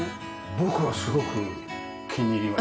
僕はすごく気に入りました。